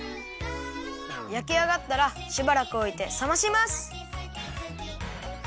やきあがったらしばらくおいてさまします！